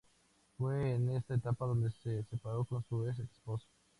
Fue en esta etapa donde se separó con su ex esposo.